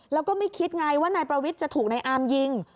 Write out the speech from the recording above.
แล้วก็ไม่คิดไงว่านายประวิทย์จะถูกนายอามยิง